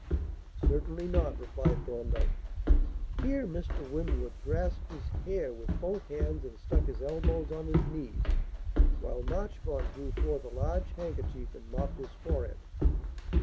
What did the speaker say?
"Certainly not," replied Thorndyke. Here Mr. Winwood grasped his hair with both hands and stuck his elbows on his knees, while Marchmont drew forth a large handkerchief and mopped his forehead.